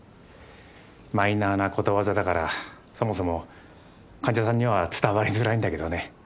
マイナーなことわざだからそもそも患者さんには伝わりづらいんだけどね。